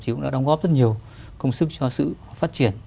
thì cũng đã đóng góp rất nhiều công sức cho sự phát triển